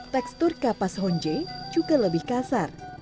tekstur kapas honje juga lebih kasar